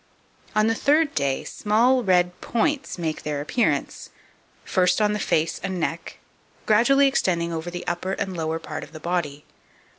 2550. On the third day, small red points make their appearance, first on the face and neck, gradually extending over the upper and lower part of the body.